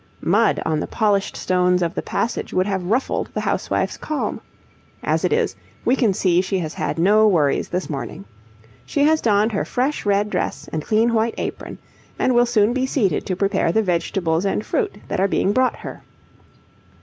Mud on the polished stones of the passage would have ruffled the housewife's calm. As it is, we can see she has had no worries this morning. She has donned her fresh red dress and clean white apron, and will soon be seated to prepare the vegetables and fruit that are being brought her.